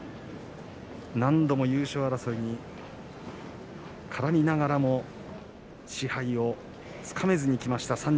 何度も優勝争いに絡みながらも賜盃をつかめずにきました。